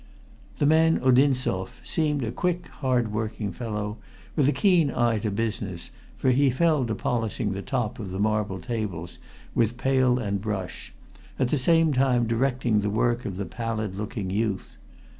The man Odinzoff seemed a quick, hard working fellow with a keen eye to business, for he fell to polishing the top of the marble tables with a pail and brush, at the same time directing the work of the pallid looking youth.